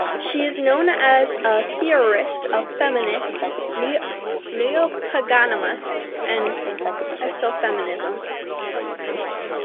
She is known as a theorist of feminist Neopaganism and ecofeminism.